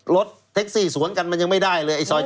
รถแท็กซี่สวนกันมันยังไม่ได้เลยไอ้ซอย๗